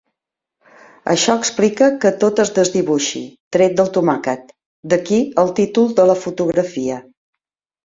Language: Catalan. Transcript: Això explica que tot es desdibuixi, tret del tomàquet, d'aquí el títol de la fotografia.